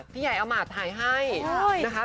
พี่ใหญ่เอามาตย์ถ่ายให้นะคะ